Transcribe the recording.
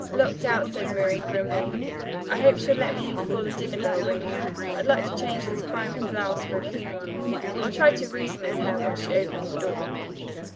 "Locked out," said Miriam grimly. "I hope she'll let me in before the dinner bell rings. I'd like to change this grimy blouse for a clean one. I'll try to reason with her, once she opens the door."